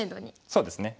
そうですね。